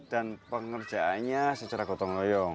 dan pengerjaannya secara gotong loyong